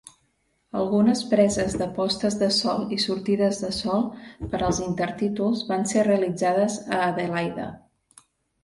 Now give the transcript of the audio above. Algunes preses de postes de sol i sortides de sol per als intertítols van ser realitzades a Adelaida.